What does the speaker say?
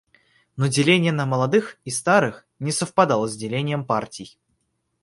Но деление на молодых и старых не совпадало с делением партий.